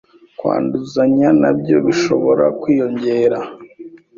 kwanduzanya na byo bishobora kwiyongera.